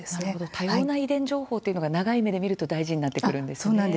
多様な遺伝情報というのが長い目で見ると大事になってくるんですね。